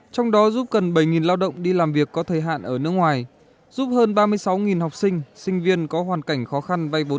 trong đó giúp cần bảy lao động đi làm việc có thời hạn ở nước ngoài giúp hơn ba mươi sáu học sinh sinh viên có hoàn cảnh khó khăn vay vốn